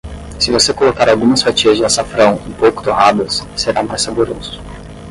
Se você colocar algumas fatias de açafrão um pouco torradas, será mais saboroso.